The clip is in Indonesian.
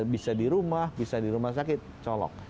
bisa di rumah bisa di rumah sakit colok